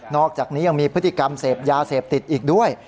อกจากนี้ยังมีพฤติกรรมเสพยาเสพติดอีกด้วย